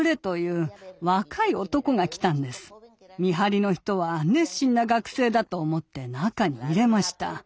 見張りの人は「熱心な学生だ」と思って中に入れました。